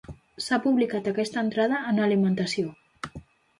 S'ha publicat aquesta entrada en Alimentació.